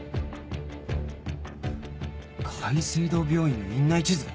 界星堂病院の院内地図？